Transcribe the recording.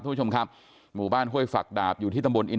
ทุกผู้ชมครับหมู่บ้านฮเว่ยฝักดาบอยู่ที่ตำบบน